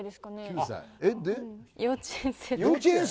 幼稚園生。